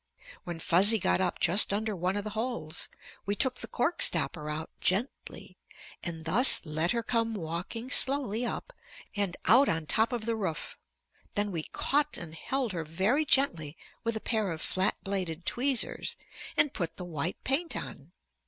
When Fuzzy got up just under one of the holes, we took the cork stopper out gently and thus let her come walking slowly up and out on top of the roof. Then we caught and held her very gently with a pair of flat bladed tweezers, and put the white paint on.